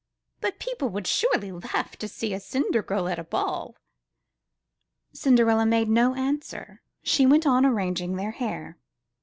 But people would surely laugh to see a cinder girl at a ball!" Cinderella made no answer. She went on arranging their hair.